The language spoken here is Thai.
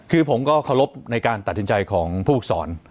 คือผมก็เคารพในการตัดสินใจของผู้ฝึกสอน